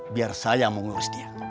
biar saya mau ngurus dia